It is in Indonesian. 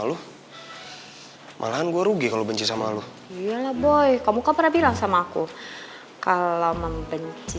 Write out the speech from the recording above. lu malahan gue rugi kalau benci sama lu iyalah boy kamu pernah bilang sama aku kalau membenci